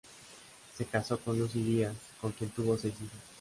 Se casó con Lucy Díaz, con quien tuvo seis hijos.